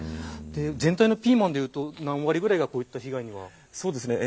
全体のピーマンでいうと何割ぐらいがこういった被害に遭っているんですか。